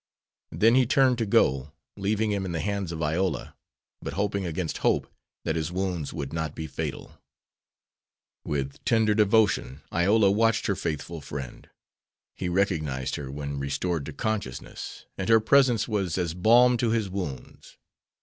Then he turned to go, leaving him in the hands of Iola, but hoping against hope that his wounds would not be fatal. With tender devotion Iola watched her faithful friend. He recognized her when restored to consciousness, and her presence was as balm to his wounds.